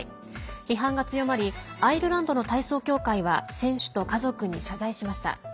批判が強まりアイルランドの体操協会は選手と家族に謝罪しました。